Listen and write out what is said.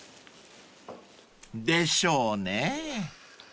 ［でしょうね］